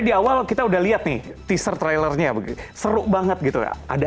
di awal kita udah lihat nih teaser trailernya begitu seru banget gitu ada adegan milih melihat